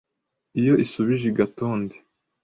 Iyo ishubije i Gatonde